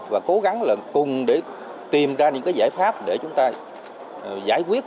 và cố gắng là cùng để tìm ra những cái giải pháp để chúng ta giải quyết